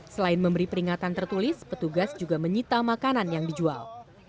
selain memberi peringatan tertulis petugas juga menyita makanan yang dijual